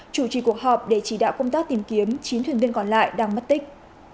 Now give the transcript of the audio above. chủ trì cuộc họp để chỉ đạo công tác tìm kiếm chín thuyền viên còn lại đang mất tích